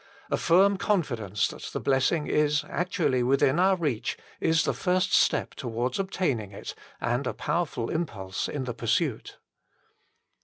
A firm confidence that the blessing is actually within our reach is the first step towards obtaining it and a powerful impulse in the pursuit.